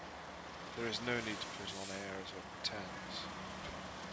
There is no need to put on airs or pretense.